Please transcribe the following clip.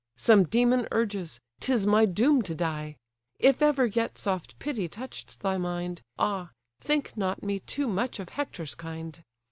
Some demon urges! 'tis my doom to die! If ever yet soft pity touch'd thy mind, Ah! think not me too much of Hector's kind!